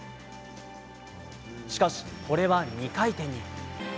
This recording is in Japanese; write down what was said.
しかし、これは２回転に。